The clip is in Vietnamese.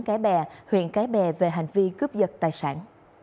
cái bè huyện cái bè về hành vi cướp giật tài sản